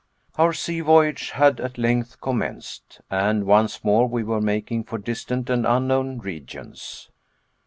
Our sea voyage had at length commenced; and once more we were making for distant and unknown regions.